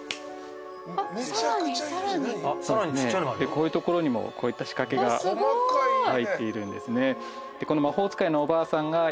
こういうところにもこういったしかけが入っているんですね。